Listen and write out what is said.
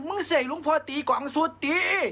มึงเสียหลวงพอตีกว่าอังสูตรตี